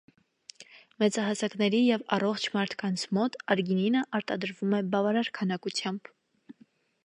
Մեծահասակների և առողջ մարդկանց մոտ արգինինը արտադրվում է բավարար քանակությամբ։